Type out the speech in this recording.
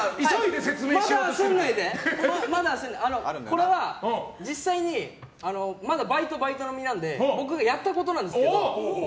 これは実際にバイトの身なので僕、やったことなんですけど。